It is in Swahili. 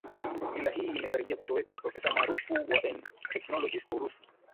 mila hii imekaribia kutoweka Profesa maarufu wa ethnologist wa Urusi